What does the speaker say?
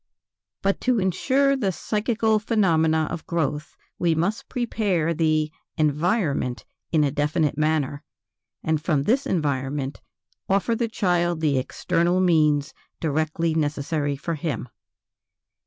But to ensure the psychical phenomena of growth, we must prepare the "environment" in a definite manner, and from this environment offer the child the external means directly necessary for him.